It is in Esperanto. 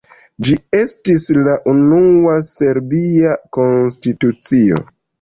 Ĝi estis la unua serbia konstitucio.